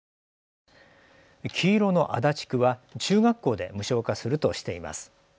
黄色の足立区は中学校で無償化するとしています。